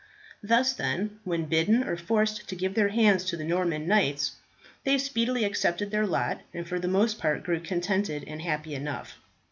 Thus then, when bidden or forced to give their hands to the Norman knights, they speedily accepted their lot, and for the most part grew contented and happy enough.